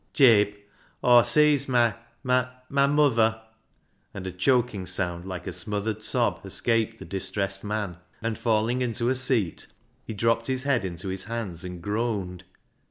384 BECKSIDE LIGHTS " Jabe, Aw sees — my — my~muther," and a choking sound like a smothered sob escaped the distressed man, and falling into a seat, he dropped his head into his hands and groaned.